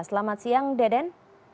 selamat siang deden